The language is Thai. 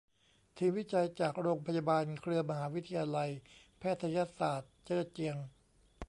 ทีมวิจัยจากโรงพยาบาลเครือมหาวิทยาลัยแพทยศาสตร์เจ้อเจียง